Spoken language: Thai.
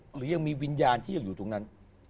หรือยังมีวิญญาณที่ยังอยู่ตรงนั้น